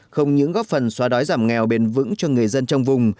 không những góp phần xóa đói giảm nghèo bền vững cho người dân trong vùng